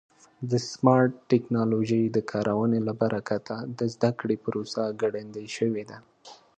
د سمارټ ټکنالوژۍ د کارونې له برکته د زده کړې پروسه ګړندۍ شوې ده.